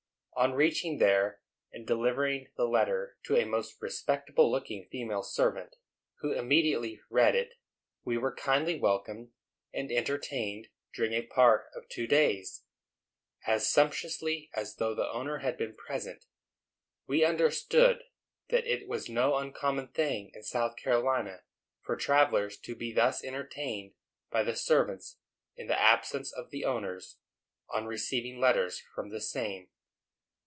On reaching there and delivering the letter to a most respectable looking female servant, who immediately read it, we were kindly welcomed, and entertained, during a part of two days, as sumptuously as though the owner had been present. We understood that it was no uncommon thing in South Carolina for travellers to be thus entertained by the servants in the absence of the owners, on receiving letters from the same.